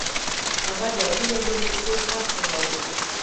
هغه د عادي وګړو په څېر هر څه واورېدل